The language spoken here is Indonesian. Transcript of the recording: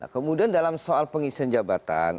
kemudian dalam soal pengisian jabatan